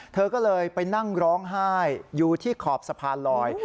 เธอก็เลยไปนั่งร้องไห้อยู่ที่ขอบสะพานลอย